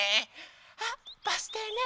あっバスていね！